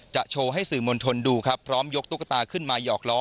โชว์ให้สื่อมวลชนดูครับพร้อมยกตุ๊กตาขึ้นมาหยอกล้อ